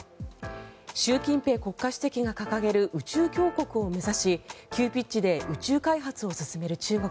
習近平国家主席が掲げる宇宙強国を目指し急ピッチで宇宙開発を進める中国。